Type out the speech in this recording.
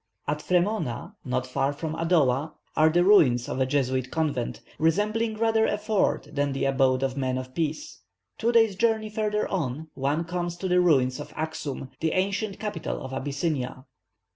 At Fremona, not far from Adowa, are the ruins of a Jesuit convent, resembling rather a fort than the abode of men of peace. Two days' journey further on, one comes to the ruins of Axum, the ancient capital of Abyssinia.